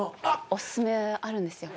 おすすめあるんですよ。